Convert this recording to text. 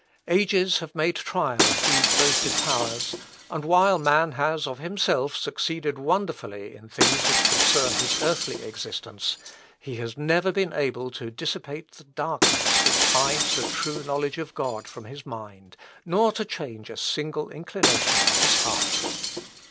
Ages have made trial of these boasted powers, and while man has of himself succeeded wonderfully in things which concern his earthly existence, he has never been able to dissipate the darkness which hides the true knowledge of God from his mind, nor to change a single inclination of his heart.